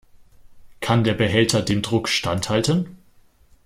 Kann der Behälter dem Druck standhalten?